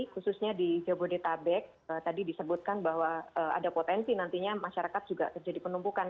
khususnya di jabodetabek tadi disebutkan bahwa ada potensi nantinya masyarakat juga terjadi penumpukan